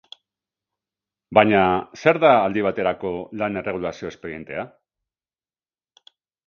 Baina, zer da aldi baterako lan-erregulazio espedientea?